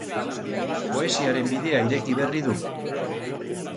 Poesiaren bidea ireki berri du.